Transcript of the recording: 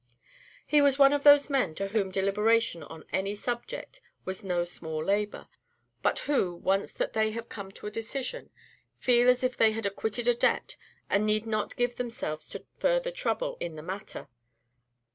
He was one of those men to whom deliberation on any subject was no small labor, but who, once that they have come to a decision, feel as if they had acquitted a debt, and need give themselves no further trouble in the matter.